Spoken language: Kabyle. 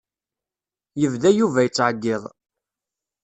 Yebda Yuba yettɛeyyiḍ.